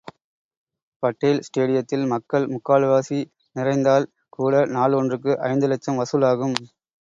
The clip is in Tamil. படேல் ஸ்டேடியத்தில் மக்கள் முக்கால்வாசி நிறைந்தால் கூட நாள் ஒன்றுக்கு ஐந்து லட்சம் வசூல் ஆகும்.